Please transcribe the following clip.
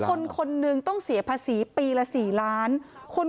ว่าถ้าคนนึงต้องเสียภาษีปีละ๔ล้านบาท